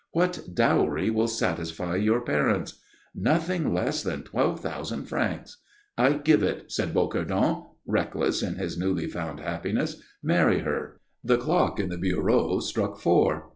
"What dowry will satisfy your parents?" "Nothing less than twelve thousand francs." "I give it," said Bocardon, reckless in his newly found happiness. "Marry her." The clock in the bureau struck four.